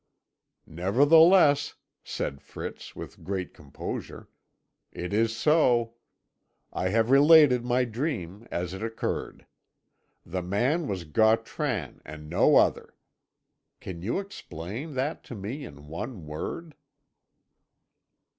"Nevertheless," said Fritz with great composure, "it is so. I have related my dream as it occurred. The man was Gautran and no other. Can you explain that to me in one word?"